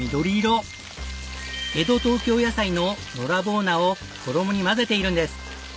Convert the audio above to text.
江戸東京野菜ののらぼう菜を衣に混ぜているんです。